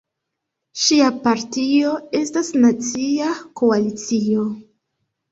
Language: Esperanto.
Ŝia partio estas Nacia Koalicio.